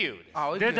出た！